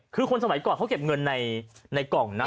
คือคนสมัยก่อนเขาเก็บเงินในกล่องนะ